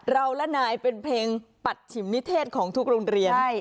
ละนายเป็นเพลงปัจฉิมนิเทศของทุกโรงเรียน